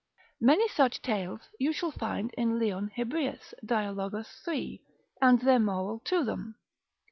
Many such tales you shall find in Leon Hebreus, dial. 3. and their moral to them.